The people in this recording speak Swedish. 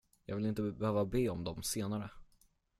Jag vill inte behöva be om dem senare.